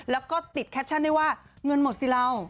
แล้วก็ติดแคปชั่นได้ว่าเงินหมดสิเรา